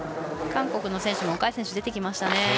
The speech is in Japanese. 韓国の選手も若い選手が出てきましたね。